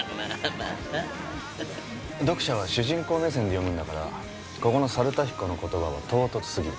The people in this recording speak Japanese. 読者は主人公目線で読むんだからここのサルタヒコの言葉は唐突すぎる。